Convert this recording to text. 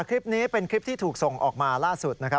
คลิปนี้เป็นคลิปที่ถูกส่งออกมาล่าสุดนะครับ